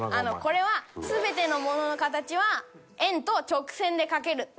これは全てのものの形は円と直線で描けるっていう意味です。